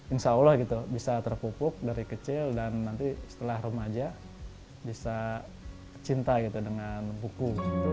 insya allah gitu bisa terpupuk dari kecil dan nanti setelah remaja bisa cinta gitu dengan buku